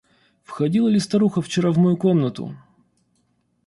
Входила ли старуха вчера в мою комнату?